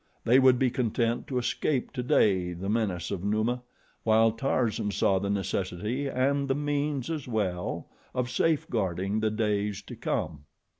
They would be content to escape today the menace of Numa, while Tarzan saw the necessity, and the means as well, of safeguarding the days to come.